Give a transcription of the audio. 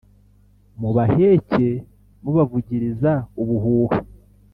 mubaheke mubavugiriza ubuhuha